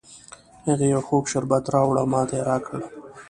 هغې یو خوږ شربت راوړ او ماته یې را کړ